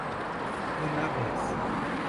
Tunápolis